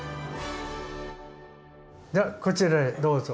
ではこちらへどうぞ。